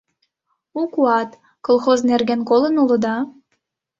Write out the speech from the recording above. «У куат» колхоз нерген колын улыда?